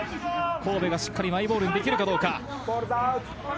神戸がしっかりマイボールにできるかどうか。